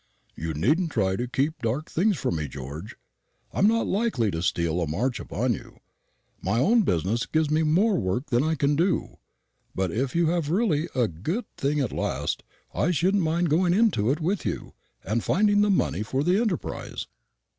"You needn't try to keep things dark from me, George. I'm not likely to steal a march upon you; my own business gives me more work than I can do. But if you have really got a good thing at last, I shouldn't mind going into it with you, and finding the money for the enterprise."